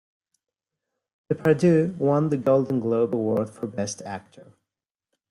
Depardieu won the Golden Globe Award for Best Actor.